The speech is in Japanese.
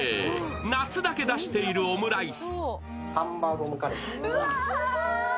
夏だけ出しているオムライス。